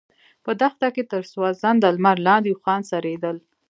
په دښته کې تر سوځنده لمر لاندې اوښان څرېدل.